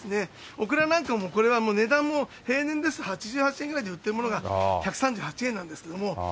オクラなんかも、これも平年ですと８８円ぐらいで売ってるものが、１３８円なんですけれども。